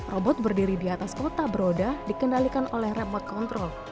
robot berdiri di atas kota beroda dikendalikan oleh remote control